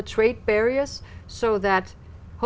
có rất nhiều học sinh